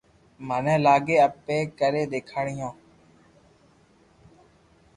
مني لاگي اپي ڪري ديکاڙيو